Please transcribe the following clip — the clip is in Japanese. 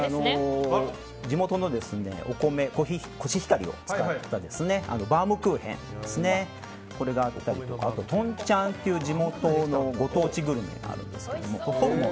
地元のお米コシヒカリを使ったバウムクーヘンがあったりとかとんちゃんっていう地元のご当地グルメがあるんですが。